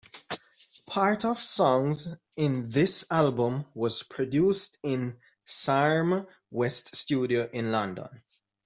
Part of songs in this album was produced in Sarm West Studio in London.